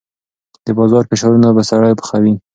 د بازار فشارونه به سړی پخوي.